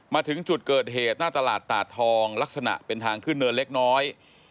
มาถึงจุดเกิดเหตุหน้าตลาดตาดทองลักษณะเป็นทางขึ้นเนินเล็กน้อย